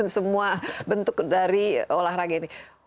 semua bentuk dari olahraga ini